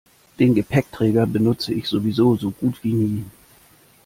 Den Gepäckträger benutze ich sowieso so gut wie nie.